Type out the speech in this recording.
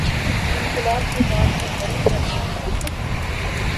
انقلا ب کی بات ہم بڑی کرتے ہیں۔